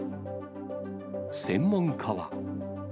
専門家は。